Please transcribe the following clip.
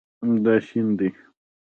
دا شین دی